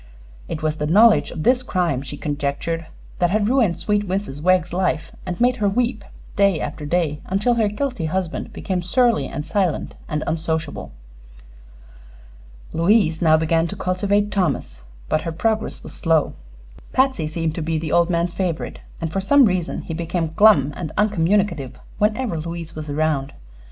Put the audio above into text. It was the knowledge of this crime, she conjectured, that had ruined sweet Mrs. Wegg's life and made her weep day after day until her guilty husband became surly and silent and unsociable. Louise now began to cultivate Thomas, but her progress was slow. Patsy seemed to be the old man's favorite, and for some reason he became glum and uncommunicative whenever Louise was around.